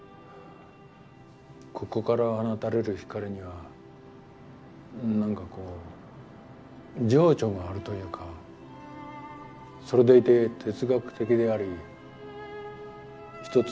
ここから放たれる光にはなんかこう情緒があるというかそれでいて哲学的であり一つ